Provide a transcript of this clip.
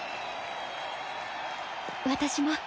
私も。